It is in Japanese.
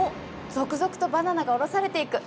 続々とバナナが降ろされていく！